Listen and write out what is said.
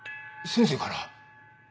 先生から？